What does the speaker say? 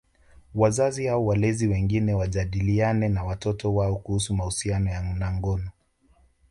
Wazazi au walezi wengine wajadiliane na watoto wao kuhusu mahusiano na ngono